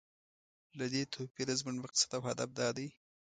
له دې توپیره زموږ مقصد او هدف دا دی.